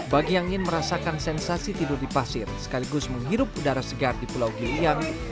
bagi yang ingin merasakan sensasi tidur di pasir sekaligus menghirup udara segar di pulau giliang